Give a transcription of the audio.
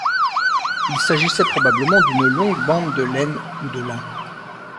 Il s'agissait probablement d'une longue bande de laine ou de lin.